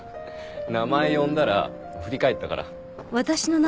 名前呼んだら振り返ったから。